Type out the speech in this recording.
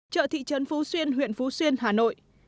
chợ thị trấn phú xuyên huyện phú xuyên hà nội